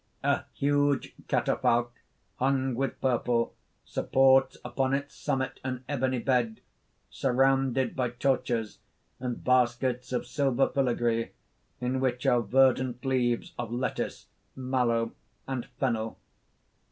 __... A huge catafalque, hung with purple, supports upon its summit an ebony bed, surrounded by torches and baskets of silver filagree, in which are verdant leaves of lettuce, mallow and fennel.